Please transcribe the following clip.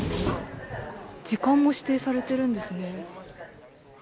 時間も指定されてるんですね。